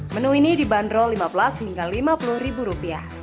menu ini dibanderol rp lima belas hingga rp lima puluh